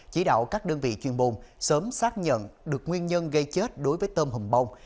chỉ đạo các đơn vị chuyên bồn sớm xác nhận được nguyên nhân gây chết đối với tôm hồng bông